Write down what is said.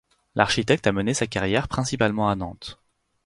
L'architecte a mené sa carrière principalement à Nantes.